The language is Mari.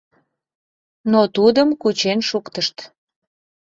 Но тудым кучен шуктышт.